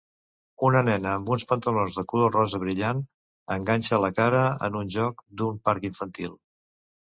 Una nena amb uns pantalons de color rosa brillant enganxa la cara en un joc d'un parc infantil.